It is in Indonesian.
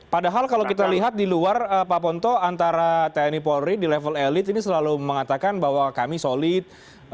padahal kalau kita lihat di luar pak ponto antara tni polri di level elit ini selalu mengatakan bahwa kami solid